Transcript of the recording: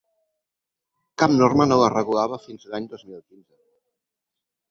Cap norma no les regulava fins l’any dos mil quinze.